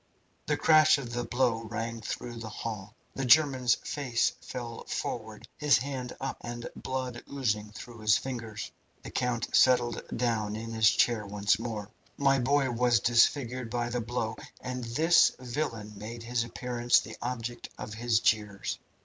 The crash of the blow rang through the hall. The German's face fell forward, his hand up, and blood oozing through his fingers. The count settled down in his chair once more. "My boy was disfigured by the blow, and this villain made his appearance the object of his jeers.